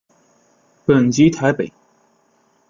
本籍台北。